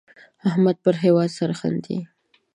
احمد پر هېواد سرښندي.